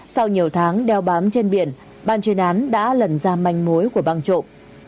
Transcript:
sau nhiều tháng đeo bám trên biển ban chuyên án đã lần ra manh mối của băng trộm